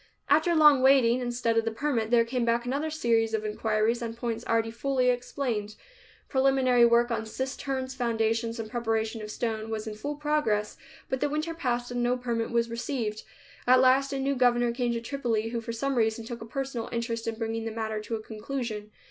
After long waiting, instead of the permit there came back another series of inquiries on points already fully explained. Preliminary work on cisterns, foundations and preparation of stone was in full progress, but the winter passed and no permit was received. At last a new governor came to Tripoli who for some reason took a personal interest in bringing the matter to a conclusion.